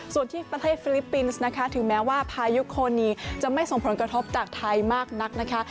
ส่วนที่ประเทศฟิลิปปินส์นะคะถึงแม้ว่าพายุโคนีจะไม่ส่งผลกระทบจากไทยมากนักนะคะ